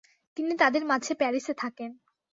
তিনি তাদের মাঝে প্যারিসে থাকেন।